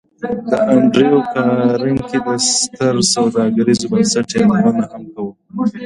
د انډریو کارنګي د ستر سوداګریز بنسټ یادونه هم کوو